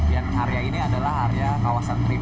yang area ini adalah area kawasan tiga in satu